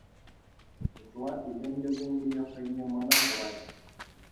Ытла илемлӗ пулнипе хӑйне мӑна хурать.